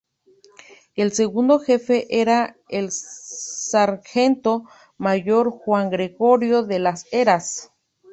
El segundo jefe era el sargento mayor Juan Gregorio de Las Heras.